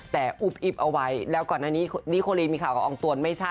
แต่อุบอิบเอาไว้แล้วก่อนอันนี้นิโคลีนมีข่าวอองตวน